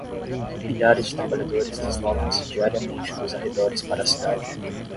Milhares de trabalhadores deslocam-se diariamente dos arredores para a cidade.